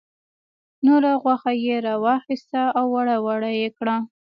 نوره غوښه یې را واخیسته او وړه وړه یې کړه.